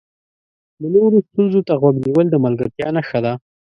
د نورو ستونزو ته غوږ نیول د ملګرتیا نښه ده.